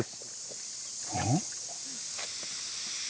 うん？